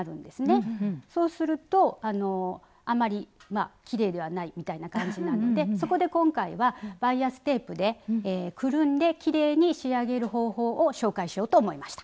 そうするとあまりきれいではないみたいな感じなのでそこで今回はバイアステープでくるんできれいに仕上げる方法を紹介しようと思いました。